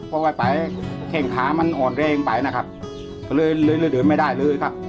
พอไปแข้งขามันอ่อนแรงไปนะครับก็เลยเลยเดินไม่ได้เลยครับ